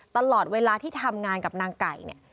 ตลอดเวลาที่ทำงานกับนางไก่เนี่ย